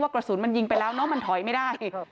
กระสุนมันยิงไปแล้วเนอะมันถอยไม่ได้